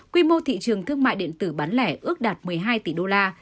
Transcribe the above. quy mô thị trường thương mại điện tử bán lẻ ước đạt một mươi hai tỷ usd